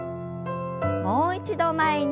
もう一度前に。